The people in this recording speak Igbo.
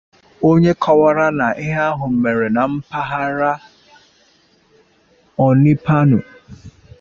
onye kọwara na ihe ahụ mèrè na mpaghara Onipanu